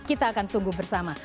kita akan tunggu bersama